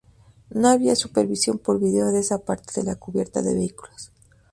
No había supervisión por vídeo de esa parte de la cubierta de vehículos.